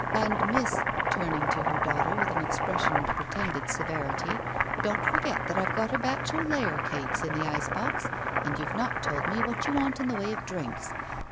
And, miss," turning to her daughter with an expression of pretended severity, "don't forget that I've got a batch o' layer cakes in the ice box, and you've not told me what you want in the way of drinks.